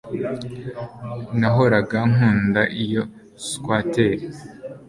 Nahoraga nkunda iyo swater